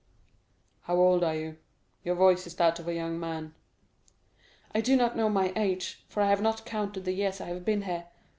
"How old are you? Your voice is that of a young man." "I do not know my age, for I have not counted the years I have been here.